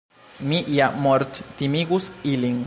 Mi ja morttimigus ilin.